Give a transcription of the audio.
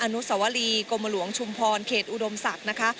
อนุสวรีกลมหลวงชุมพรเครตอุดมศักดิ์